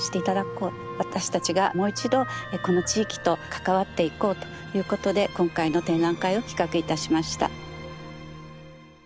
私たちがもう一度この地域と関わっていこうということで今回の展覧会を企画いたしました。